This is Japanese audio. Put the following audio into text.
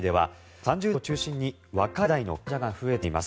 ３０代を中心に若い世代の患者が増えています。